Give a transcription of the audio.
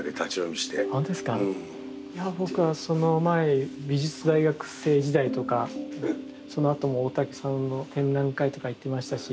いや僕はその前美術大学生時代とかそのあとも大竹さんの展覧会とか行ってましたし。